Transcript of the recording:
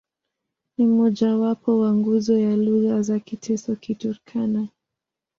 Ni mmojawapo wa nguzo ya lugha za Kiteso-Kiturkana.